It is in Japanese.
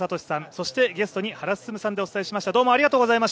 そしてゲストに原晋さんでお伝えしました。